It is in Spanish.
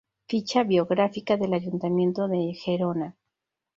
Ficha biográfica del ayuntamiento de Gerona